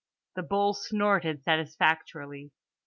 —The bull snorted satisfactorily.